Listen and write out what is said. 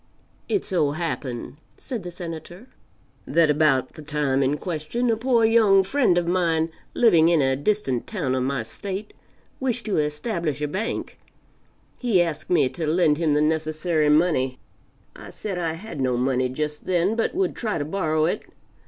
It so happened, (said the Senator,) that about the time in question, a poor young friend of mine, living in a distant town of my State, wished to establish a bank; he asked me to lend him the necessary money; I said I had no, money just then, but world try to borrow it.